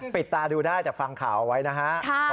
ปิดตาดูได้จากฟังข่าวเอาไว้นะครับ